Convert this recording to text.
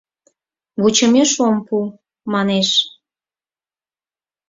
Вучымеш ом пу, манеш.